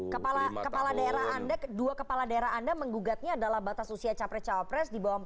kepala daerah anda dua kepala daerah anda menggugatnya adalah batas usia capres cawapres di bawah empat puluh